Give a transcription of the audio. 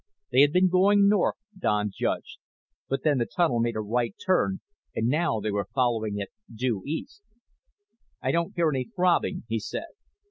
They had been going north, Don judged, but then the tunnel made a right turn and now they were following it due east. "I don't hear any throbbing," he said.